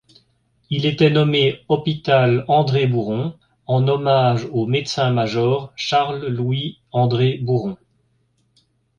Il était nommé hôpital André-Bouron en hommage au médecin-major Charles Louis André Bouron.